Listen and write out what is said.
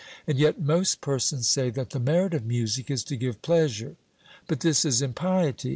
And yet most persons say that the merit of music is to give pleasure. But this is impiety.